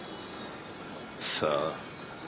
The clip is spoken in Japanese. さあ。